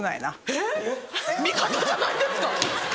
えっ⁉味方じゃないんですか